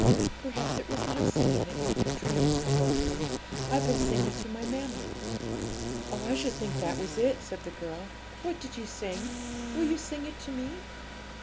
'Perhaps it was my singing that made you dream it,' said Rosalie; 'I've been singing to my mammie.' 'Oh, I should think that was it,' said the girl. 'What did you sing? will you sing it to me?'